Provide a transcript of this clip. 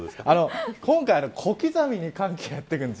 今回、小刻みに寒気がやってくるんです。